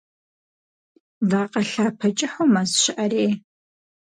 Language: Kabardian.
Вакъэ лъапэ кӀыхьу мэз щыӀэрей.